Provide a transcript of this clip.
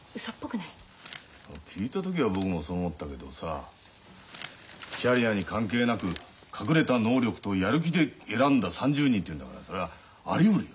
聞いた時は僕もそう思ったけどさキャリアに関係なく隠れた能力とやる気で選んだ３０人っていうんだからそれはありうるよ。